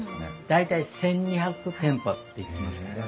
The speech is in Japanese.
大体１，２００店舗っていってますけどね。